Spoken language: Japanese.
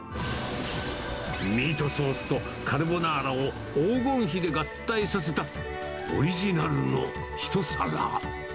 ミートソースとカルボナーラを黄金比で合体させたオリジナルの一皿。